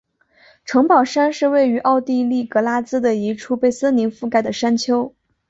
城堡山是位于奥地利格拉兹的一处被森林覆盖的山丘。